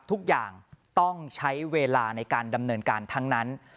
ทุกอย่างต้องใช้เวลาในการดำเนินการทั้งนั้น